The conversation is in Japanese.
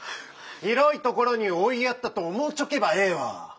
広いところに追いやったと思うちょけばええわ。